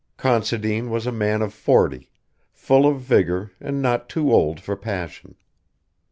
Considine was a man of forty, full of vigour and not too old for passion.